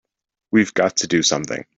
We've got to do something!